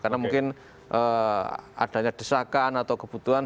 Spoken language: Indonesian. karena mungkin adanya desakan atau kebutuhan